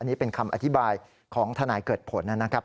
นี่เป็นคำอธิบายของทนายเกิดผลนะครับ